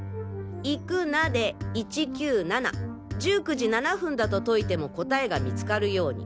「行くな」で１９７１９時７分だと解いても答えが見つかるように。